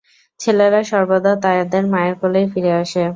ছেলেরা সর্বদা তাদের মায়ের কোলেই ফিরে আসে।